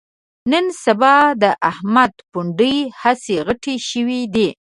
نن سبا د احمد پوندې هسې غټې شوې دي